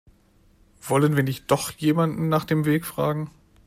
Wollen wir nicht doch jemanden nach dem Weg fragen?